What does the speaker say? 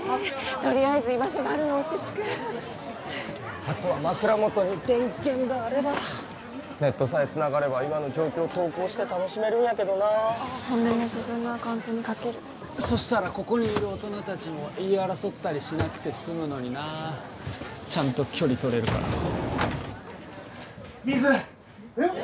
とりあえず居場所があるの落ち着くあとは枕元に電源があればネットさえつながれば今の状況を投稿して楽しめるんやけどな本音も自分のアカウントに書けるそしたらここにいる大人達も言い争ったりしなくてすむのになちゃんと距離取れるから水えっ？